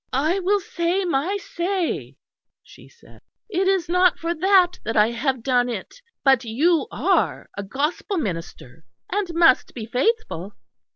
"I will say my say," she said. "It is not for that that I have done it. But you are a Gospel minister, and must be faithful.